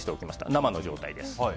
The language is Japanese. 生の状態です。